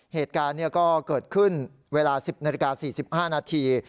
เหตุการณ์ก็เกิดขึ้นเวลา๑๐นาฬิกา๔๕นาที